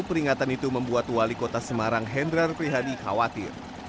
peringatan itu membuat wali kota semarang hendrar prihadi khawatir